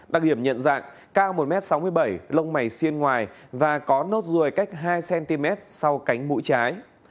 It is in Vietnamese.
đặc điểm nhận dạng cao một m sáu mươi bảy lông mày xiên ngoài và có nốt ruồi cách hai cm sau cánh mũi trái